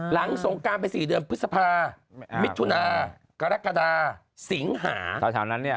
หลังสงการไป๔เดือนพฤษภามิชชุนากรกฎาสิงหา